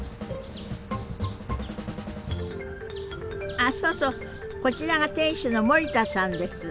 あそうそうこちらが店主の森田さんです。